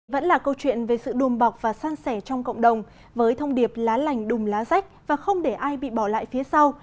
vẫn là câu chuyện về sự đùm bọc và san sẻ trong cộng đồng với thông điệp lá lành đùm lá rách và không để ai bị bỏ lại phía sau